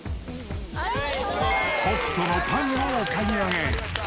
北斗のパンをお買い上げ。